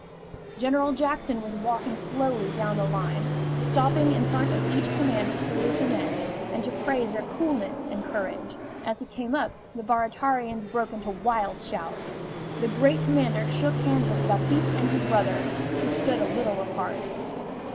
General Jackson was walking slowly down the line, stopping in front of each command to salute the men and to praise their coolness and courage. As he came up, the Baratarians broke into wild shouts. The great commander shook hands with Lafitte and his brother, who stood a little apart.